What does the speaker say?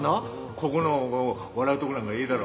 こごの笑うとごなんかいいだろ？